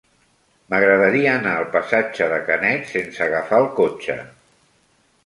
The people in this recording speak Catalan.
M'agradaria anar al passatge de Canet sense agafar el cotxe.